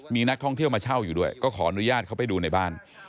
มีนักท่องเที่ยวมาเช่าอยู่ด้วยก็ขออนุญาตเข้าไปดูในบ้าน